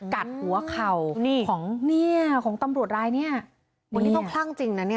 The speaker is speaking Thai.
กัดหัวเข่าของตำรวจรายนี่เนี่ยพวกนี้ต้องคลั่งจริงนะนี่ค์